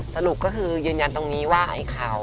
สรุปก็คือยืนยันตรงนี้ว่าไอ้ข่าว